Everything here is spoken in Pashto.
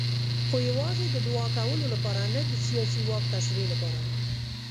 خو یوازې د دوعا کولو لپاره نه د سیاسي واک تشریح لپاره.